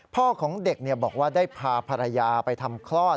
พ่อของเด็กบอกว่าได้พาภรรยาไปทำคลอด